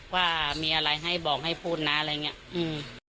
ว่ามีอะไรให้บอกให้พูดนะอะไรอย่างเงี้ยอืม